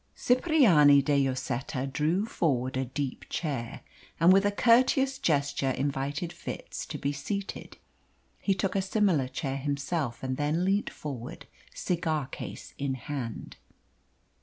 Cipriani de Lloseta drew forward a deep chair, and with a courteous gesture invited Fitz to be seated. He took a similar chair himself, and then leant forward, cigar case in hand.